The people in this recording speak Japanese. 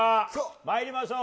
参りましょう。